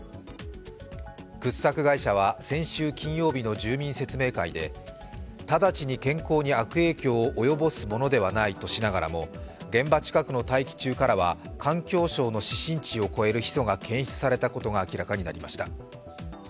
掘削会社は先週金曜日の住民説明会で直ちに健康に悪影響を及ぼすものではないとしながらも、現場近くの大気中からは環境省の指針値を超えるヒ素が検出されたことが明らかになりました。